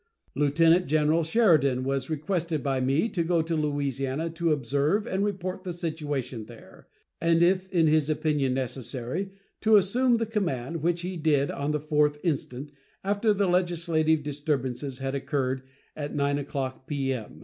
Lieutenant General Sheridan was requested by me to go to Louisiana to observe and report the situation there, and, if in his opinion necessary, to assume the command, which he did on the 4th instant, after the legislative disturbances had occurred, at 9 o'clock p.m.